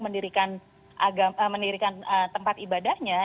mendirikan tempat ibadahnya